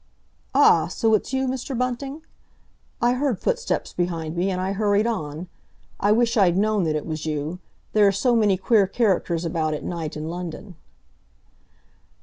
"Ah! So it's you, Mr. Bunting? I heard footsteps behind me, and I hurried on. I wish I'd known that it was you; there are so many queer characters about at night in London."